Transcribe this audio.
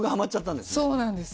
そうなんです。